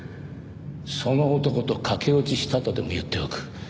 その男と駆け落ちしたとでも言っておく。